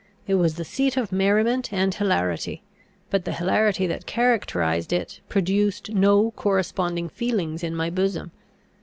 It was the seat of merriment and hilarity; but the hilarity that characterised it produced no correspondent feelings in my bosom.